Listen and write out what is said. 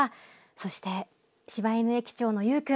そしてしば犬駅長のゆうくん。